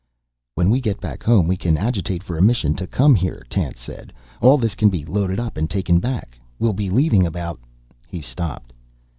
"When we get back home we can agitate for a mission to come here," Tance said. "All this can be loaded up and taken back. We'll be leaving about " He stopped.